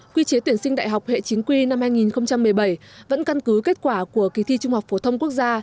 quy chế tuyển sinh đại học hệ chính quy năm hai nghìn một mươi bảy vẫn căn cứ kết quả của kỳ thi trung học phổ thông quốc gia